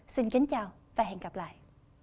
xin chào và hẹn gặp lại